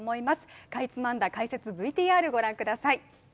かいつまんだ解説ＶＴＲご覧ください